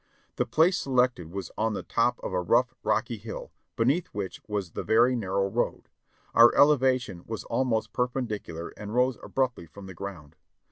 The place selected was on the top of a rough, rocky hill, beneath which was the very narrow road ; our elevation was almost per pendicular and rose abruptly from the ground.